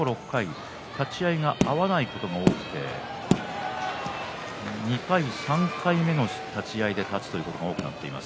立ち合いが合わないことが多くて２回、３回目の立ち合いで立つということがあります。